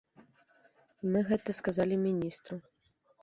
І мы гэта сказалі міністру.